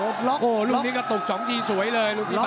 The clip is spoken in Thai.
อวกล๊อคนี่ลูกนี่ก็ตุก๒ทีสวยเลยลูกนี้ครับ